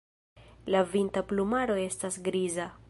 La vintra plumaro estas griza.